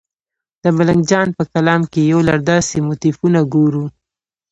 د ملنګ جان په کلام کې یو لړ داسې موتیفونه ګورو.